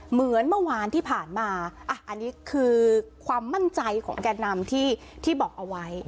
เหมือนเมื่อวานที่ผ่านมาอันนี้คือความมั่นใจของแก่นำที่บอกเอาไว้